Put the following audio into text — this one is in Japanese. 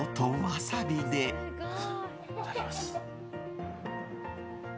いただきます。